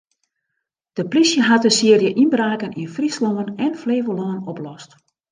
De plysje hat in searje ynbraken yn Fryslân en Flevolân oplost.